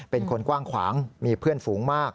เป็นคนกว้างขวางมีเพื่อนฝูงมาก